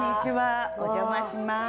お邪魔します。